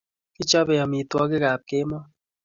Kichopei amitwokik ab kemoi